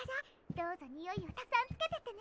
どうぞにおいをたくさんつけてってね。